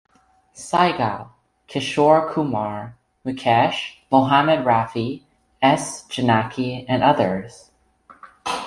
Saigal, Kishore Kumar, Mukesh, Mohammed Rafi, S. Janaki and others.